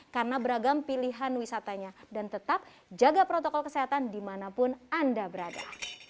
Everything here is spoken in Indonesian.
karena beragam pilihan wisatanya dan tetap jaga protokol kesehatan dimanapun anda berada